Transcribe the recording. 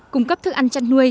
cung cấp thức ăn chăn nuôi